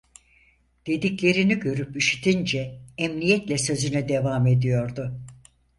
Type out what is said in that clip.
Dediklerini görüp işitince emniyetle sözüne devam ediyordu.